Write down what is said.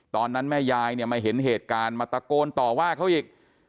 แม่ยายเนี่ยมาเห็นเหตุการณ์มาตะโกนต่อว่าเขาอีก